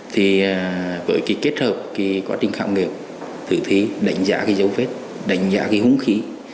thì với cái kết hợp quá trình khám nghiệp thử thí đánh giá cái dấu vết đánh giá cái húng khí